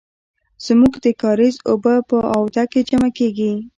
زمونږ د کاریز اوبه په آوده کې جمع کیږي.